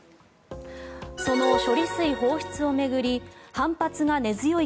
その処理水放出を巡り反発が根強い